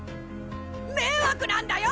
迷惑なんだよ！